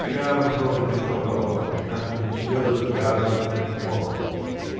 Garvin told him to come along and trust in Messieurs Garvin and Quorrall.